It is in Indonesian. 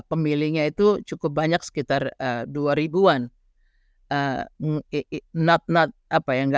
pemilihnya itu cukup banyak sekitar dua ribuan